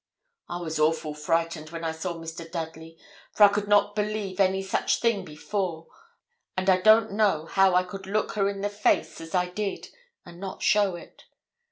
'I was awful frightened when I saw Mr. Dudley, for I could not believe any such thing before, and I don't know how I could look her in the face as I did and not show it.